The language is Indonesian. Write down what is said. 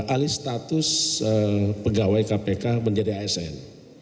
alih status pegawai kpk menjadi asn